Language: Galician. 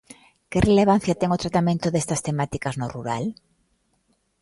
Que relevancia ten o tratamento destas temáticas no rural?